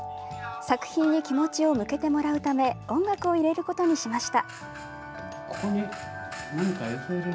作品に気持ちを向けてもらうため音楽を入れることにしました。